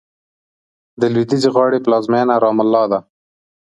د لوېدیځې غاړې پلازمېنه رام الله ده.